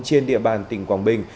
trên địa bàn tỉnh quảng bình